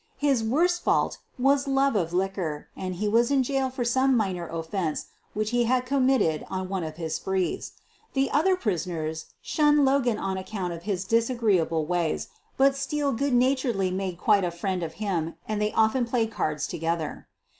His worst fault was love of liquor and he was in jail for some minor offense which he had committed on one of his sprees. The other prisoners shunned Logan on account of hi disagreeable ways, but Steele good naturedly mad quite a friend of him and they often played card together.